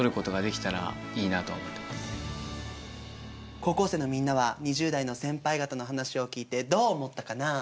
高校生のみんなは２０代の先輩方の話を聞いてどう思ったかなあ？